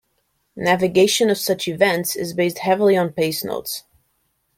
Navigation of such events is based heavily on pacenotes.